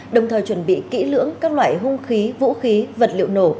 đồng thời chuẩn bị kỹ lưỡng các loại hung khí vũ khí vật liệu nổ